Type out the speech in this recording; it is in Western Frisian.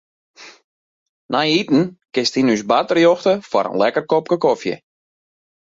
Nei iten kinst yn ús bar terjochte foar in lekker kopke kofje.